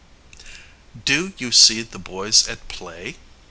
] Do you see the boys at play?